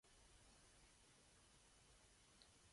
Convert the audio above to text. Whether this was actually the case is debatable.